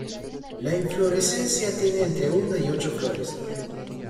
La inflorescencia tiene entre una y ocho flores.